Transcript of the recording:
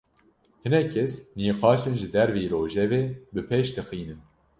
Hinek kes, nîqaşên ji derveyî rojevê bi pêş dixînin